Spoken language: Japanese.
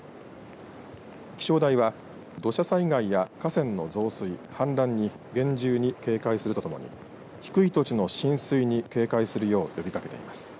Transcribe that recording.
気象台は土砂災害や河川の増水氾濫に厳重に警戒するとともに低い土地の浸水に警戒するよう呼びかけています。